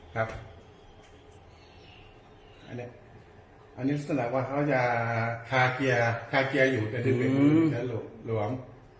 ครับอันนี้อันนี้สนุกว่าเขาจะคาเกียร์คาเกียร์อยู่ในด้วยหลวงหลวง